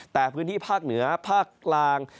แต่พื้นที่ภาคเหนือภาคกลาง